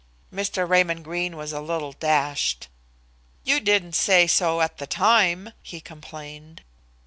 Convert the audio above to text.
Mr. Raymond Greene was a little dashed. "You didn't say so at the time," he complained.